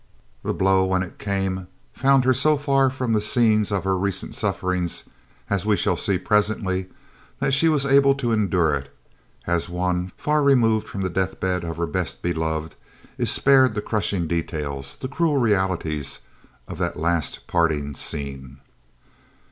The blow, when it came, found her so far from the scenes of her recent sufferings, as we shall see presently, that she was able to endure it, as one, far removed from the death bed of her best beloved, is spared the crushing details, the cruel realities of that last parting scene.